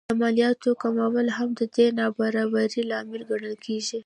د مالیاتو کمول هم د دې نابرابرۍ لامل ګڼل کېږي